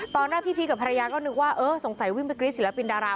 พี่พีชกับภรรยาก็นึกว่าเออสงสัยวิ่งไปกรี๊ดศิลปินดารา